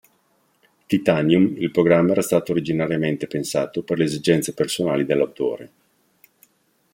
Titanium, il programma era stato originariamente pensato per le esigenze personali dell'autore.